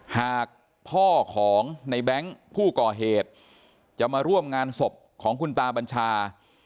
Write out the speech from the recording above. หากพ่อของในแบงค์ผู้ก่อเหตุจะมาร่วมงานศพของคุณตาบัญชา